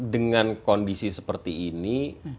dengan kondisi seperti ini